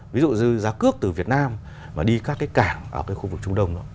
ví dụ giá cước từ việt nam mà đi các cái cảng ở cái khu vực trung đông